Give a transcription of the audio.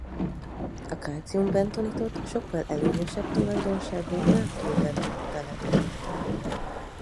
A kalcium-bentonitot a sokkal előnyösebb tulajdonságú nátrium-bentonittá lehet alakítani.